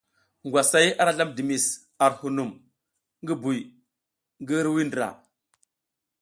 Ngwasay ara slam dimis ar hunum ngi buy ngi hirwuiy ndra.